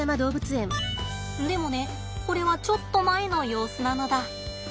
でもねこれはちょっと前の様子なのだ。